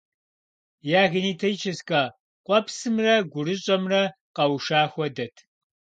Я генетическэ къуэпсымрэ гурыщӏэмрэ къэуша хуэдэт.